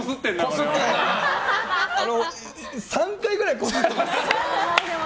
３回くらいこすってます。